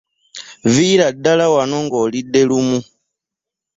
Viira ddala wano ng'olidde lumu.